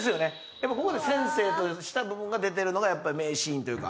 やっぱここで先生とした部分が出てるのがやっぱ名シーンというか。